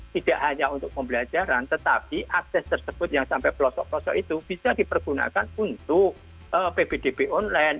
tidak hanya untuk pembelajaran tetapi akses tersebut yang sampai pelosok pelosok itu bisa dipergunakan untuk ppdb online